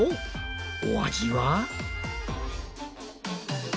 お味は？